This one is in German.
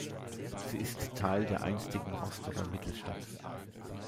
Sie ist Teil der einstigen Rostocker "Mittelstadt".